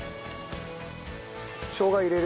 しょうが入れる？